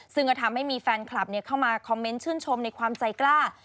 ซึ่งก็ทำให้มีแฟนคลับเข้ามาคอมเมนต์ชื่นชมในความใจกล้า